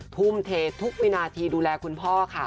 ทุ่มเททุกวินาทีดูแลคุณพ่อค่ะ